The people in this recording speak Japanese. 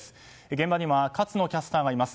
現場には勝野キャスターがいます。